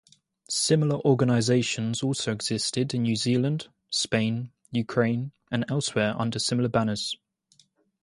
Similar organisations also exist in New Zealand, Spain, Ukraine, and elsewhere under similar banners.